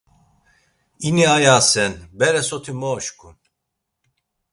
İni ayasen, bere soti mot oşǩum.